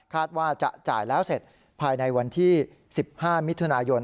ว่าจะจ่ายแล้วเสร็จภายในวันที่๑๕มิถุนายน